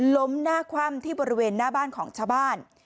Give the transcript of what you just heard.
ล้มหน้าคว่ำที่บริเวณหน้าบ้านของชาวบ้าน